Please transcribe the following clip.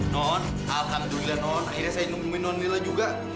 non alhamdulillah non akhirnya saya nemuin non lila juga